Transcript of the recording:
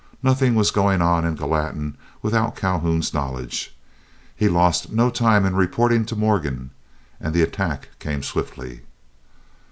Nothing was going on in Gallatin without Calhoun's knowledge. He lost no time in reporting to Morgan, and the attack came swiftly.